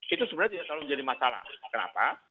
itu sebenarnya tidak selalu menjadi masalah kenapa